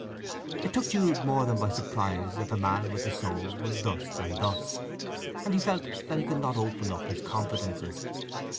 It took Jude more than by surprise that the man with the soul was thus and thus; and he felt that he could not open up his confidences.